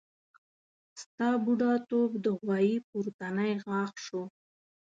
ستا بډاتوب د غوايي پورتنی غاښ شو.